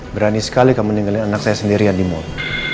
berani sekali kamu meninggalkan anak saya sendirian di mal